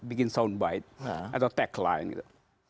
bikin soundbite atau tagline gitu